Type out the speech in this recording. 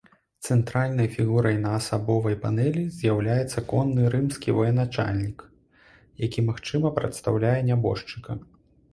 Цэнтральнай фігурай на асабовай панэлі з'яўляецца конны рымскі военачальнік, які, магчыма, прадстаўляе нябожчыка.